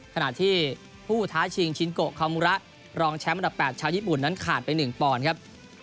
ขณะที่ผู้ท้าชิงชินโกคามูระรองแชมป์อันดับ๘ชาวญี่ปุ่นนั้นขาดไป๑ปอนด์ครับ